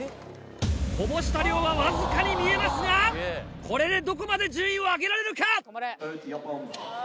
こぼした量はわずかに見えますがこれでどこまで順位を上げられるか？